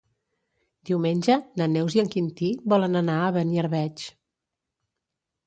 Diumenge na Neus i en Quintí volen anar a Beniarbeig.